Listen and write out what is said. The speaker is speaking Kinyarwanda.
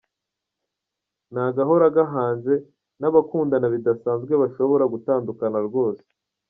Nta gahora gahanze, n’abakundana bidasanzwe bashobora gutandukana rwose.